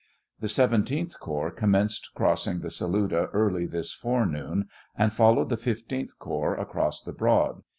The 17th corps commenced crossing the Saluda early this forenoon, and followed the 15th corps across the Broad.